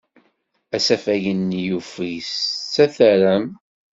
Asafag-nni yufeg s ataram.